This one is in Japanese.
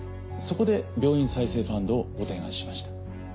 そこで病院再生ファンドをご提案しました。